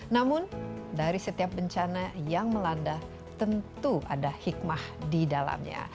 namun dari setiap bencana yang melanda tentu ada hikmah di dalamnya